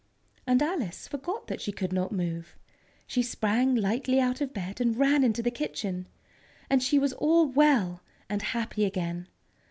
And Alice forgot that she could not move. She sprang lightly out of bed and ran into the kitchen. And she was all well and happy again!